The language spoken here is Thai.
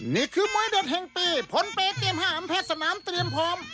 นี่คือมวยเดือดแห่งปีผลเปรย์เตรียมห้ามแพทย์สนามเตรียมพร้อม